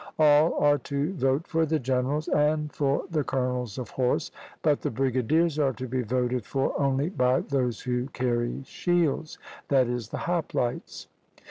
All are to vote for the generals (and for the colonels of horse), but the brigadiers are to be voted for only by those who carry shields (i.e. the hoplites).